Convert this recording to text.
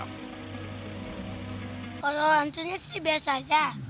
kalau hantunya sih biasa aja